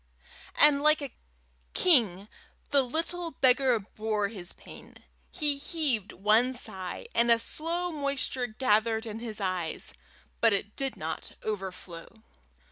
And like a king the little beggar bore his pain. He heaved one sigh, and a slow moisture gathered in his eyes, but it did not overflow.